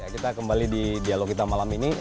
kita kembali di dialog kita malam ini